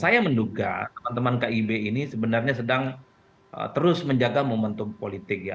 saya menduga teman teman kib ini sebenarnya sedang terus menjaga momentum politik ya